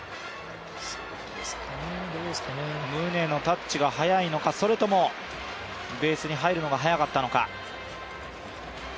宗のタッチが速いのか、それともベースに入るのが速かったか。